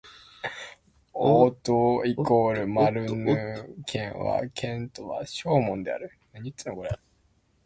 オート＝マルヌ県の県都はショーモンである